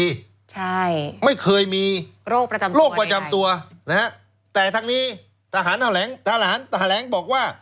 ใช่ไม่เคยมีโรคประจำตัวแต่ทางนี้ทหารแถลงบอกว่า